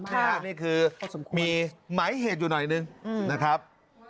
นี่คือมีหมายเหตุอยู่หน่อยนึงนะครับ